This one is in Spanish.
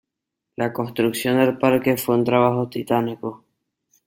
La construcción del parque fue un trabajo titánico.